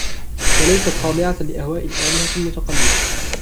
وليست خاضعة لأهواء الآلهة المتقلبة